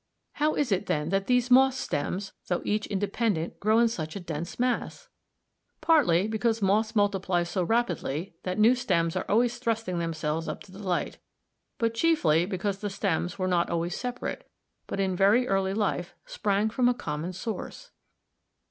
How is it, then, that these moss stems, though each independent, grow in such a dense mass? Partly because moss multiplies so rapidly that new stems are always thrusting themselves up to the light, but chiefly because the stems were not always separate, but in very early life sprang from a common source.